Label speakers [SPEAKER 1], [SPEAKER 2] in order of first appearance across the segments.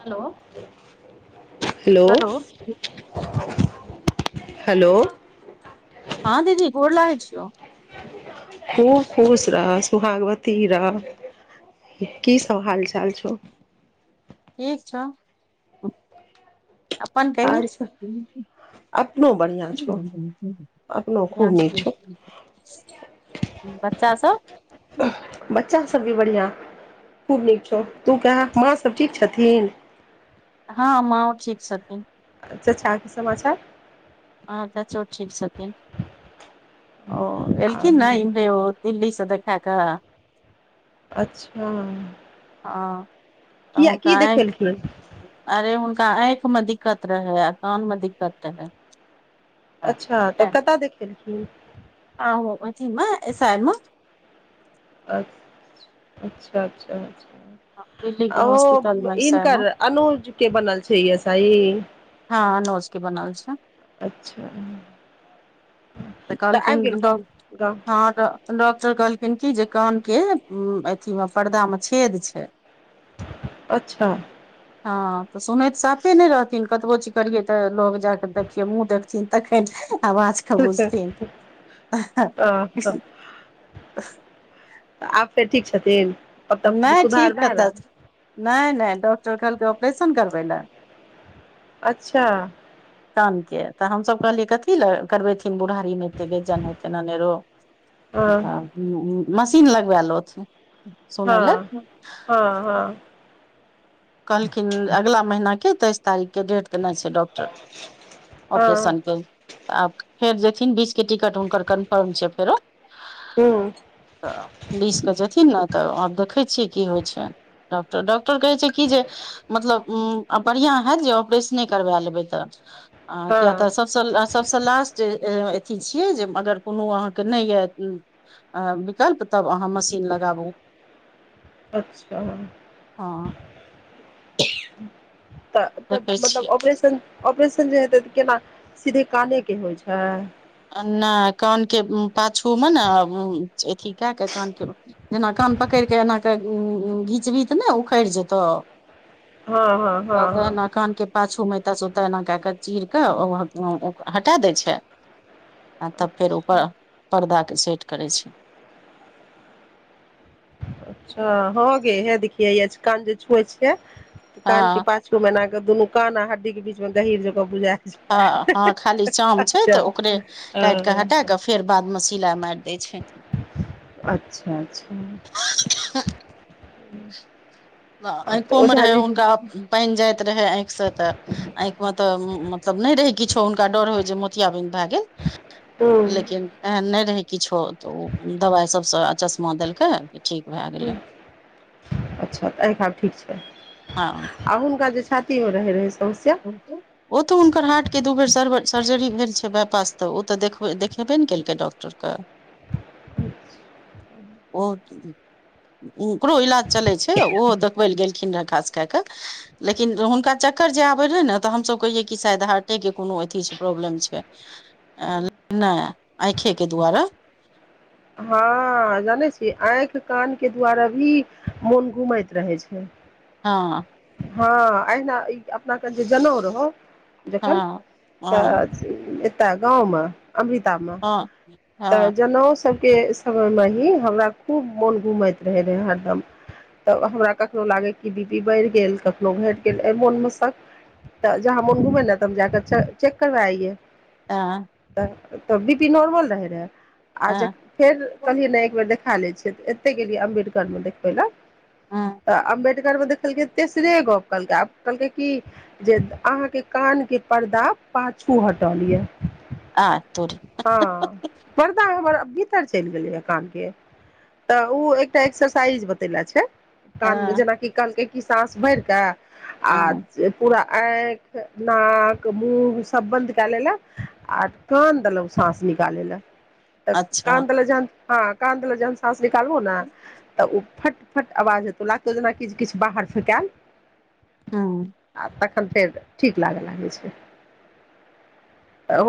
[SPEAKER 1] Hello hello
[SPEAKER 2] hello
[SPEAKER 1] हँ दीदी गोर लागै छियौ
[SPEAKER 2] खूब खुश रहय सुोहागवती रहह की सब हालचाल छौ
[SPEAKER 1] ठीक छौ अपन कही
[SPEAKER 2] आर सब
[SPEAKER 1] [unintelligible]
[SPEAKER 2] अपनो बढ़िआँ छौ अपनो खूब नीक छौ
[SPEAKER 1] बच्चासभ
[SPEAKER 2] बच्चा सब भी बढ़िया खूब नीक छौ तू कह माँ सब ठीक छथिन
[SPEAKER 1] हँ माँओ ठीक छथिन
[SPEAKER 2] अच्छा कि समाचार
[SPEAKER 1] आ च्चा ठीक छथिन ओ
[SPEAKER 2] आ
[SPEAKER 1] एलखिन न दिल्ली स त देखा कऽ
[SPEAKER 2] अच्छा
[SPEAKER 1] ह
[SPEAKER 2] किया
[SPEAKER 1] त क
[SPEAKER 2] की देखेलखिन
[SPEAKER 1] अरे हु आँंख में दिक्कत रहै अ कान में दिक्कत रहै
[SPEAKER 2] अच्छा तऽ कतय देखेलखिन
[SPEAKER 1] आ अथी मे एस आइ मे
[SPEAKER 2] अच अच्छा अच्छा
[SPEAKER 1] दिल्ली के
[SPEAKER 2] अच्छा ओ
[SPEAKER 1] हॉस्पिटल मे एसआइ मे
[SPEAKER 2] हिनकर अनुज के बनल छै अऐस ईी
[SPEAKER 1] हँ अनुजके बनल छै।
[SPEAKER 2] अच्छा
[SPEAKER 1] तऽ कहलखिन
[SPEAKER 2] आबि
[SPEAKER 1] ड
[SPEAKER 2] गेलखिन गाँव
[SPEAKER 1] हँ ड डॉक्टर कहलखिन क जे कान के उ अथी मे पर्दा मे छेद छै
[SPEAKER 2] अच्छा
[SPEAKER 1] हँ तऽ सुनैत साफे नहि रहथिन कतबो चीज करियै तऽ लोग जाक देखियै मुह देखथिन तखन आवाज बुझथिन
[SPEAKER 2] आ आ ठीक छथिन मतलब
[SPEAKER 1] नहि
[SPEAKER 2] सुधार
[SPEAKER 1] ठीक
[SPEAKER 2] भए
[SPEAKER 1] कतऽ
[SPEAKER 2] रहल
[SPEAKER 1] नहि नहि डॉक्टर कहलकै ऑपरेशन करबै लए
[SPEAKER 2] अच्छा
[SPEAKER 1] कानके तऽ हमसभ कहलियै कथी लए करबेथिन बुढ़ारीमे एतै गैज्जन होेतै ननेरो
[SPEAKER 2] हँ
[SPEAKER 1] तब मशीन लगबा लथ सुनअ लेल
[SPEAKER 2] हँ हँ हँ
[SPEAKER 1] कहलखिन अगलाा महिना के तेइस तारीख कें डेट देने छै डॉक्टर
[SPEAKER 2] हँ
[SPEAKER 1] अपरेशन के फेर जेथिन बीस कें टिकट हुनकर कन्फर्म छै। फेरो
[SPEAKER 2] हूँ
[SPEAKER 1] बीसकें जेथिन न तऽ आब देखै छियै की होइ छै। डॉक्टर डॉक्टर कहै छै। की जे मतलब बढ़िआँ होत जे ऑपरेशने करबा लेबै तऽ आ कियाा तऽ
[SPEAKER 2] हँ
[SPEAKER 1] सबसँ ल सभसँ लास्ट अथी छियै जे अगर कोनो अहाँके नहि यऽ अ विकल्प तब अहाँ मशीन लगाबू
[SPEAKER 2] अच्छा
[SPEAKER 1] हँ
[SPEAKER 2] तऽ तऽ
[SPEAKER 1] देखै छियै
[SPEAKER 2] मतलब ऑपरेशन ऑपरेशन जे हेतै त केना सीधे काने के होइ छै।
[SPEAKER 1] नहि कानके पाछू मे ने अथी कए के कानके जेना क धान पकड़ि कऽ एना क घीच भीत ने उखड़ जेतौ
[SPEAKER 2] हँ हँ हँ हँ
[SPEAKER 1] अर कानके पाछूमे कत सुता एना क क चीर क ओ हटा दै छै। आ तब फेर
[SPEAKER 2] अच्छा
[SPEAKER 1] ऊपर पर्दा सेट करे छै।
[SPEAKER 2] अच्छा हो गे हे देखिय कान जे छुए छियै कान के
[SPEAKER 1] हँ
[SPEAKER 2] पाछू मै न दुनू कान आ हड्डी के बीच मे गहीर जगह बुझा
[SPEAKER 1] ह हँ खाली चाम छै। तऽ ओकरे काटि कऽ हटा
[SPEAKER 2] अ
[SPEAKER 1] कऽ फेर बादमे सिलाइ मारि दए छै।
[SPEAKER 2] अच्छा अच्छा [inaudible] तऽ
[SPEAKER 1] आँखि मे
[SPEAKER 2] ओझा
[SPEAKER 1] रहे
[SPEAKER 2] जी
[SPEAKER 1] हुनका पानि जाइत रहै आँखि से तऽ आँखि मे तऽ मतलब नहि रहै किछो हुनका डर होय जे मोतियाबिन्द भए गेल
[SPEAKER 2] हूँ
[SPEAKER 1] लेकिन एहन नहि रहै किछो तऽ ओ दवाइ सबसँ चश्मा देलकै ठीक भए गेलै
[SPEAKER 2] अच्छा तऽ एहिठा ठीक छै
[SPEAKER 1] हँ
[SPEAKER 2] आ हुनका जे हो रहै समस्या
[SPEAKER 1] ओ तऽ हुनकर हाट के दू बेर सर्व सर्जरी भेल छै व तऽ ओ तऽ देखेबे नहि केलकै डॉक्टरके
[SPEAKER 2] [unintelligible]
[SPEAKER 1] ओ कऽ जी ओकरो इलाज चलै छै ओहो देखबै ल गेलखिन रहऽ खास कए कऽ लेकिन हुनका चक्कर आबे रहे ने तऽ हमसभ कहि कि शायद हार्टे के कोनो अथी छै प्रॉब्लम छै नहि आँखे के दुआारा
[SPEAKER 2] हँ ह जानै छी आँखि कान के दुवारा भी मोन घुमैत रहे छै
[SPEAKER 1] हँ
[SPEAKER 2] हँ अना ई अपना कन जे जनेउ रहौ जखन
[SPEAKER 1] हँ हँ
[SPEAKER 2] तऽ एतय गाँव मे अमृता मे
[SPEAKER 1] हँ
[SPEAKER 2] तऽ
[SPEAKER 1] हँ
[SPEAKER 2] जनेउ सभके समयमे तऽ हमरा कखनो लागय कि बी पी बढ़ि गेल कखनो घटि गेल एहि मोनमे शक तऽ जहाँ हमो घुमै न तऽ हम जाक चेक करब आइये
[SPEAKER 1] हँ
[SPEAKER 2] तऽ त बि पी नोरमल रहैत रहै आ ज फेर कहलियै नहि एक बेर देखा लै छियै तऽ एते गेलियै अम्बेडकरमे देखबै लए
[SPEAKER 1] हँ
[SPEAKER 2] त अम्बे मे देखलकै तेसरे गप कहलकै आब कहलकै की जे अहाँ के कान के परर्दा पाँचको हटौलियऐ
[SPEAKER 1] आ तोरी
[SPEAKER 2] पर्दा ह भीतर चलि गेलै ह कान के तऽ ओ एकटा एक्सरसाइज बतेेले छै कान
[SPEAKER 1] हँ
[SPEAKER 2] जेनाकि कहलकै कि साँस भर कऽ आ
[SPEAKER 1] हँ
[SPEAKER 2] पूरा आँखि नाक मुह सब बंद क लेलक आर कान देलहु साँस मे निकालले तऽ
[SPEAKER 1] अच्छा
[SPEAKER 2] कानतल झन हँ कानतला जन साँस निकालबो ने तऽ फट फट आवाज हेतौ लागतौ जेनाकि किछु बाहर फेकाल
[SPEAKER 1] हँ
[SPEAKER 2] फेर ठीक लागे लागे छै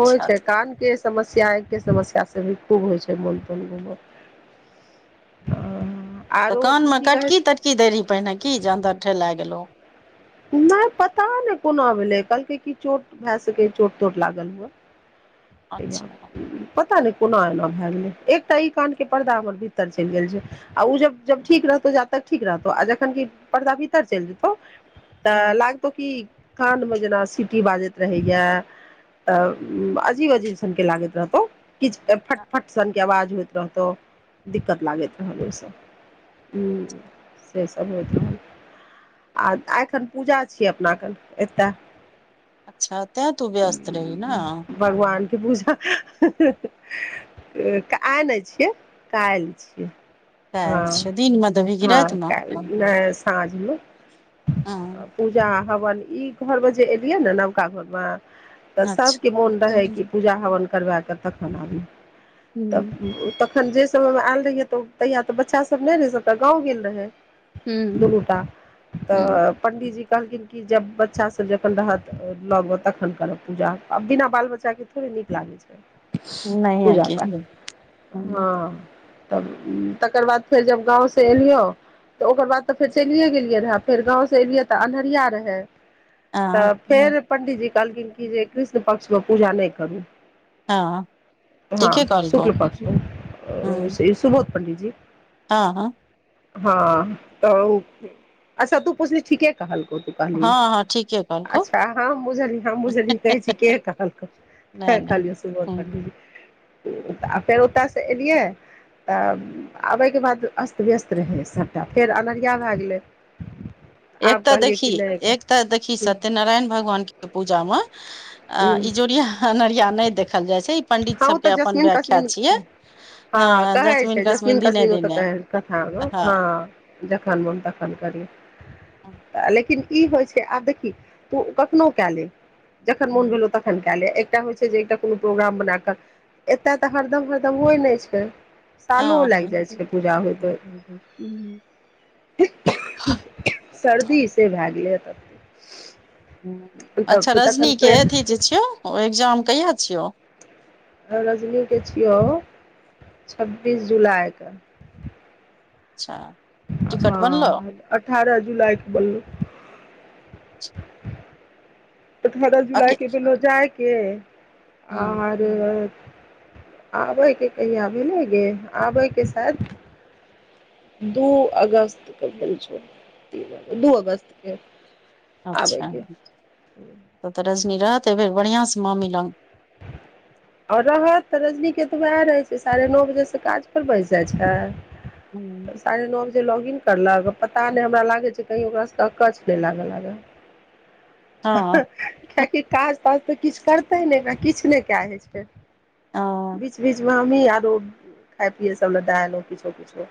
[SPEAKER 2] हो छै कान समस्या एते समस्या खत्म से भी खूब होइ
[SPEAKER 1] तऽ
[SPEAKER 2] आरो
[SPEAKER 1] कानमे
[SPEAKER 2] की कहै
[SPEAKER 1] कटकी
[SPEAKER 2] छै
[SPEAKER 1] तटकी दैत रही पहिने की जे अन्दर ठेलए गेलहु
[SPEAKER 2] नहि पता नहि कोना भेलै कहलकै की चोट भए सकै चोट तोट लागल हुए
[SPEAKER 1] अच्छा
[SPEAKER 2] पता नै कोना एना भए गेलै एकटा ई कान के पर्दा हमर भीतर चलि गेल छै आ ओ जब जब ठीक रहतौ जा तक ठीक रहतौ आ जखन पर्दा भीतर चलि जेतौ तऽ
[SPEAKER 1] हँ
[SPEAKER 2] लागतौ कि कान मे जेना सीटी बाजैत रहैए अ अजीब अजीब सनके लागैत रहतौ किछु फटफट सनके आवाज होइत रहतौ दिक्कत लागैत रहल ओहिसभ सेसभ होइत रहल आ एखन पूजा छीयै अपना कन एतय
[SPEAKER 1] अच्छा तें तू व्यस्त रही ने
[SPEAKER 2] भगवानक पूजा आइ नहि छियै काल्हि छियै हँ
[SPEAKER 1] काल्हि छियौ दिनमे देबही कि
[SPEAKER 2] हँ
[SPEAKER 1] रातिमे
[SPEAKER 2] कऽ साँझमे
[SPEAKER 1] हँ
[SPEAKER 2] पूजा हवन ई घर मे जे एलियै ने नवका घर मे तऽ
[SPEAKER 1] अच्छा
[SPEAKER 2] सभके मोन रहै कि पूजा हवन करबा कऽ तखन आबी तब
[SPEAKER 1] हूँ
[SPEAKER 2] ओ तऽ अखन जे समय मे आयल रहिय त तहिया तऽ बच्चा सब नहि रहे सबटा गाँव गेल रहे द
[SPEAKER 1] हूँ
[SPEAKER 2] लूटा
[SPEAKER 1] हूँ
[SPEAKER 2] तऽ पण्डित जी कहलखिन कि जब बच्चा सब जखन रहत लग तखन करब पूजा बिना बाल बच्चा के थोड़े नीक लागे छै
[SPEAKER 1] नहिये
[SPEAKER 2] पूजा
[SPEAKER 1] की
[SPEAKER 2] पाठ हाँ तब तकर बाद फेर जब गाँव से एलियो तऽ ओकर बाद तऽ फेर चलिये गेलियै रहे फेर गाँव से एलियै तऽ अन्हरिया रहै
[SPEAKER 1] हँ
[SPEAKER 2] तऽ फेर पंडितजी कहलखिन कि जे कृष्ण पक्ष को पूजा नहि करू
[SPEAKER 1] हँ
[SPEAKER 2] हाँ
[SPEAKER 1] ठीके कहलकौ
[SPEAKER 2] शुकल पक्ष
[SPEAKER 1] हूँ
[SPEAKER 2] शुभम पंडितजी
[SPEAKER 1] हाँ हाँ
[SPEAKER 2] हाँ तऽ अच्छा तू पुछली ठीके कहलकौ तू कही
[SPEAKER 1] हँ हँ ठीके कहलकौ
[SPEAKER 2] अच्छा हम बुझलि हम बुझली कहै छी के कहलक
[SPEAKER 1] नहि
[SPEAKER 2] खियै
[SPEAKER 1] नहि हूँ
[SPEAKER 2] सुबह फेर ओतय से एलियै तऽ आबयके बाद अस्त व्यस्त रहै सभटा फेर अंहरिया भए गेलै
[SPEAKER 1] एक
[SPEAKER 2] आब
[SPEAKER 1] तऽ
[SPEAKER 2] कहलियै
[SPEAKER 1] देखी
[SPEAKER 2] कि नहि
[SPEAKER 1] एक तऽ देखी सत्यनारायण भगवानके पूजाम आ ई जोड़िया अनहरिया नहि देखल जाइ छै ई पंडित सबके अपन व्याख्या छियै
[SPEAKER 2] हाँ
[SPEAKER 1] हँ
[SPEAKER 2] कहै छै जसमीन
[SPEAKER 1] दिने
[SPEAKER 2] कसमीन तऽ
[SPEAKER 1] दिने
[SPEAKER 2] कहे कथा
[SPEAKER 1] हँ
[SPEAKER 2] हाँ जखन मोन तखन करियौ तऽ लेकिन ई होइ छै आब देखी तू कखनो कए ले जखन मोन भेलो तखन कए ले एकटा होइ छै जे एकटा कोनो प्रोग्राम बना कऽ एतय तऽ हरदम हरदम होइ नहि छै सालो
[SPEAKER 1] हाँ हाँ
[SPEAKER 2] लागि जाइ छै पूजा होइत होइत
[SPEAKER 1] हाँ
[SPEAKER 2] सर्दी से भए गेलै ह तब
[SPEAKER 1] ह्म अच्छा रजनी
[SPEAKER 2] तखन
[SPEAKER 1] के
[SPEAKER 2] फेर
[SPEAKER 1] अथी जे छियौ एग्जाम कहिया छियौ
[SPEAKER 2] रजनीके छियौ छब्बीस जुलाईके
[SPEAKER 1] अच्छा टिकट बनलो
[SPEAKER 2] हाँ अठारह जुलाई के बोललू [inaudible] अठारह
[SPEAKER 1] अके
[SPEAKER 2] जुलाई के भेलउ जाय के
[SPEAKER 1] हम्म,
[SPEAKER 2] आरे आबयके कहिया भेलै गे आबयके शायद दू अगस्त के भैल छै दु अगस्त के आबे
[SPEAKER 1] अच्छा
[SPEAKER 2] के
[SPEAKER 1] त तऽ रजनी रहते फेर बढ़ियाॅं से मामी लंग
[SPEAKER 2] [inaudible] ओर रहत तऽ रजनीके तऽ उएह रहैत छै साढ़े नौ बजेसे काज पर बैस जाइत छै साढ़े नौ जे लॉग इन करलक पता नहि हमरा लागे छै कही ओकराँकछ नहि लागे लाग
[SPEAKER 1] हँ
[SPEAKER 2] किएकि काज ताज तऽ किछ करतै ने किछ नहि कए होइ छै फेर
[SPEAKER 1] हँ
[SPEAKER 2] बीच बीचमे हमही आरो खाय पियए सब दे एलहु किछो किछो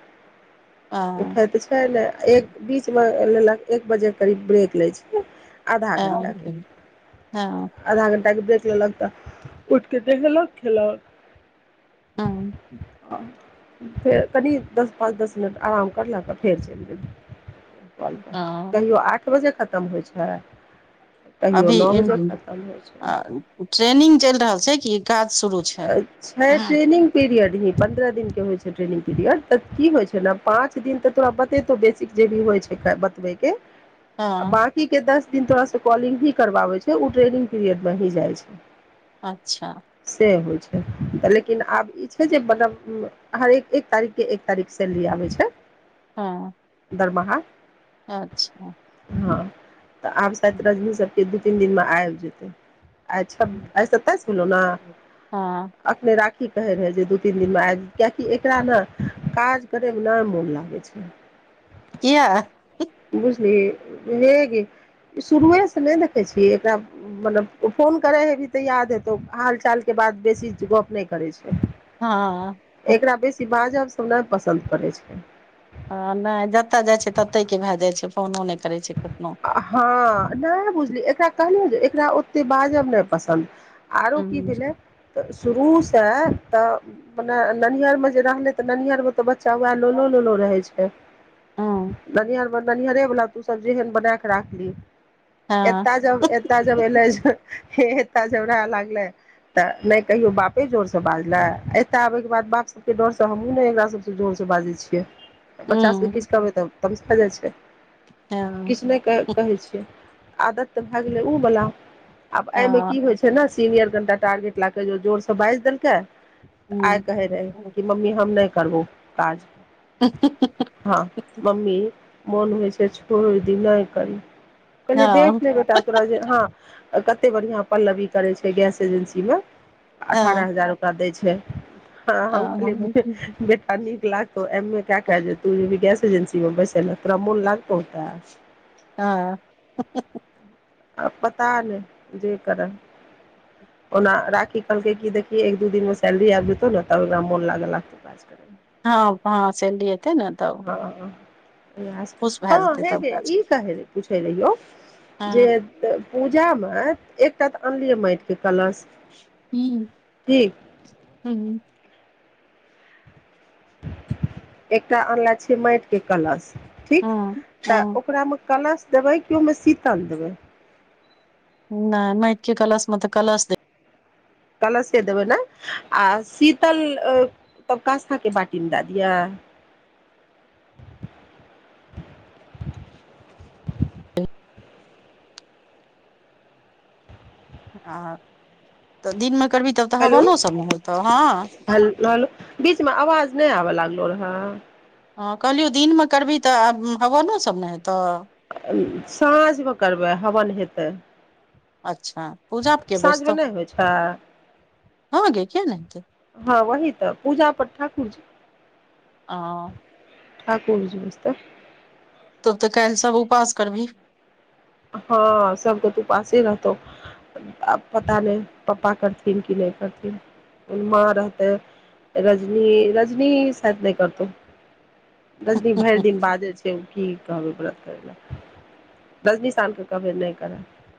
[SPEAKER 2] उठै तऽ छै ने
[SPEAKER 1] हँ
[SPEAKER 2] एक बीचमे लेलक एक बजे करीब ब्रेक लै छै आधा
[SPEAKER 1] अ,
[SPEAKER 2] घंटा के
[SPEAKER 1] हाँ
[SPEAKER 2] आधा घंटा के देख लेलक तऽ उठ के देखलक खेलक
[SPEAKER 1] हाँ
[SPEAKER 2] आ, फेर कनि दस पाँच दस मिनट आराम करलकऽ फेर चलि गेल ल क
[SPEAKER 1] हाँ
[SPEAKER 2] कहियओ आठ बजे खत्म होइ छै कहियो
[SPEAKER 1] अभी
[SPEAKER 2] नओ बजे खतम होइ छै
[SPEAKER 1] ट्रेनिंग चलि रहल छै कि ई काज शुरू छै
[SPEAKER 2] छै ट्रेनिंग पीरियड ही पंन्द्रह दिन के होइ छै ट्रेनिंग पीरियड त की होय छै ने पांच दिन तऽ तोरा बतेतौ बेसिक जे भी होय छै बतबै के
[SPEAKER 1] हँ
[SPEAKER 2] बाकी के दस दिन तोरा से कॉलिंग भी करबाबे छै ओ ट्रेनिंग पीरियड में ही जाइ छै
[SPEAKER 1] अच्छा
[SPEAKER 2] ऽ लेकिन आब ई छै जे मतलब हरेक एक तारीखके एक तारीख सैलरी आबै छै
[SPEAKER 1] हाँ
[SPEAKER 2] दरमाहा
[SPEAKER 1] अच्छा
[SPEAKER 2] हँ तऽ आब शायत रजनी सबके दू तीन दिनमे आबि जेतै अचासल ने
[SPEAKER 1] हँ
[SPEAKER 2] अखने राख थी कहै रहै जे दू तीन दिनमे आबि कियकि एकरा ने काज करेमे नहि मोन लागै छै
[SPEAKER 1] किया
[SPEAKER 2] बझल हेग शुरुएसँ नहि देखै छियै एकरा मतलब फोन करै हेभी तऽ याद हेतौ हाल चालके बाद बेी गप नहि करै छै।
[SPEAKER 1] हँ
[SPEAKER 2] एकरा बेसी बाजब पसन्द पड़ै छै।
[SPEAKER 1] ह नहि जतय जाइ छै। ततहि के भए जाइ छै फोनो नहि करै छै कखनो
[SPEAKER 2] हँ नहि बुझली एकरा कहलियै जे ओते बाजब नहि पसन्द आरो की
[SPEAKER 1] हँ
[SPEAKER 2] भेलै त शुरू तऽने ननहर मे जे रहले तऽ ननहर मे त चौ वा लोलो लोलो रहै छै।
[SPEAKER 1] हँ
[SPEAKER 2] ननिहरमे ननिहरे बला तू सब जेहन बना क राखली एत
[SPEAKER 1] हँ
[SPEAKER 2] जब ए जब एलै कालि जवरा लागलै तऽ नहि कहियो बापे जोर से बाजले एते आबे के बाद बाप सब के डर से हमहुू ने एकरा सब जोर से बाजै छियै
[SPEAKER 1] हँ
[SPEAKER 2] बच्चा सभके
[SPEAKER 1] हँ
[SPEAKER 2] किछु करबै तऽ तब भा जाइ छै।
[SPEAKER 1] हँ
[SPEAKER 2] किछु नहि कहै छियै आदत तऽ भए गेलै ओ बला आब एहिमे
[SPEAKER 1] हँ
[SPEAKER 2] की होइ छै। ने सीनियर कनटा टारगेट लऽ कऽ जोर से बाजि देलके त आई
[SPEAKER 1] हँ
[SPEAKER 2] कहे रहे कि मम्मी हम नहि करबौ काज हँ मम्मी मोन होइ छै को दिन नहि करी कनि देख नहि बेटा तोराे हँ कते बढ़िया पल्लवी करे छै। गैस एजेंसीमे अठारह हजार ओकरा देय छै। हं हम कहलियै बेटा नीक लागतौ एम ए कऽ कऽ जे तु एजेंसीमे बैसल रह तोरा मोन लागतौ ओ काज
[SPEAKER 1] हँ
[SPEAKER 2] आब पता नहि जे कर' ओना राखी कहलकै कि देखि एक दू दिन मे सैलरी आबि जेतौ ने तऽ ओरा मोन लागे लागतौ क
[SPEAKER 1] हँ ह से लिेते ने त
[SPEAKER 2] मे हँ हे
[SPEAKER 1] काज
[SPEAKER 2] ई कह पूछै ले यौ
[SPEAKER 1] करतै।
[SPEAKER 2] जे
[SPEAKER 1] हँ
[SPEAKER 2] पूजामे एकटा तऽ अनलियै माटिके कलश
[SPEAKER 1] ह
[SPEAKER 2] ठीक
[SPEAKER 1] हुं
[SPEAKER 2] एकटा अनला छै। माटि के कलश ठीक
[SPEAKER 1] हँ
[SPEAKER 2] तऽ
[SPEAKER 1] हँ
[SPEAKER 2] ओकरामे कलश देबै कि ओहिमे शीतल देबै
[SPEAKER 1] नहि नहि इतके कलास म तऽ कलस दे
[SPEAKER 2] कलशे देबै ने आ शीतल तब कसथा के बाटीमे दए दिअ [unintelligible]
[SPEAKER 1] ह ह तऽ दिनमे करबही तब तऽ
[SPEAKER 2] हेलो
[SPEAKER 1] हवनो सब ने होतौ हँ
[SPEAKER 2] ह हलो बीचमे अवाज नहि आ लागलो रह
[SPEAKER 1] हँ कहलियौ दिनमे करबही तऽ आब हवनो सभ ने हेतै
[SPEAKER 2] साँझमे करबै हवन हेतै
[SPEAKER 1] अच्छा पूजापके
[SPEAKER 2] साँझमे
[SPEAKER 1] बैसतो
[SPEAKER 2] नहि होइ छै
[SPEAKER 1] हं गै किया नहि हेतै
[SPEAKER 2] हँ वही तऽ पूजा पर ठाकुर जी
[SPEAKER 1] ह
[SPEAKER 2] ठाकुर जी बस तऽ
[SPEAKER 1] तब तऽ कैलसब उपास करबी
[SPEAKER 2] हँ सबग तूपास ह रहतौ पता नहि पप्पा करथिन कि नहि करथिन माँ रहतेै रजनी रजनी साायत नहि करतौ रजनि भरि दिन बाजे छै की कहबै ओकरा दसमी सालके कभी नहि करै